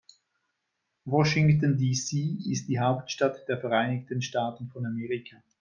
Washington, D.C. ist die Hauptstadt der Vereinigten Staaten von Amerika.